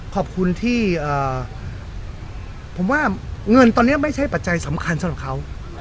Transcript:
ขอบคุณที่ผมว่าเงินตอนนี้ไม่ใช่ปัจจัยสำคัญสำหรับเขา